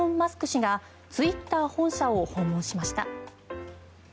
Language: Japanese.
氏がツイッター本社を訪問しました。